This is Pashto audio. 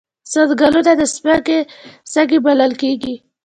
ځنګلونه د ځمکې سږي بلل کیږي